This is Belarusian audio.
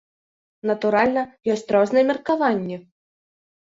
Натуральна, ёсць розныя меркаванні!